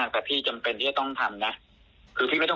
ขู่แม่แต่งโม